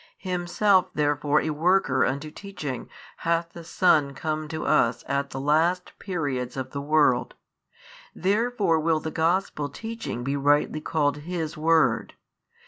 Himself therefore a worker unto teaching hath the Son come to us at the last periods of the world: therefore will the Gospel teaching be rightly called His Word.